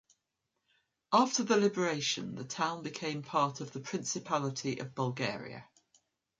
After the liberation the town became part of the Principality of Bulgaria.